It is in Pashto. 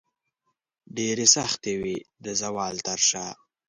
ډیرې سختې وې د زوال تر شاه